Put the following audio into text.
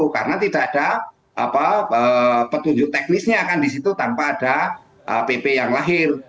karena tidak ada petunjuk teknisnya akan di situ tanpa ada pp yang lahir